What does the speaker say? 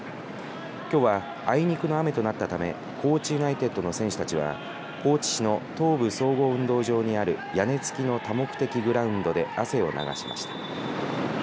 きょうはあいにくの雨となったため高知ユナイテッドの選手たちは高知市の東部総合運動場にある屋根付きの多目的グラウンドで汗を流しました。